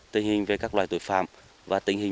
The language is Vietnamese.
tình hình về các loài tội phạm và tình hình